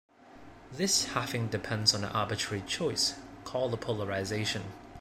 This halving depends on an arbitrary choice, called a polarization.